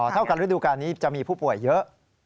เท่ากับฤดูการนี้จะมีผู้ป่วยเยอะ